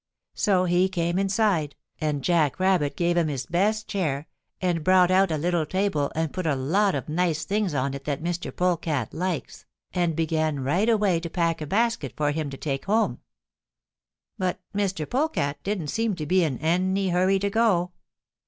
So he came inside, and Jack Rabbit gave him his best chair and brought out a little table and put a lot of nice things on it that Mr. Polecat likes, and began right away to pack a basket for him to take home. "But Mr. Polecat didn't seem to be in any hurry to go.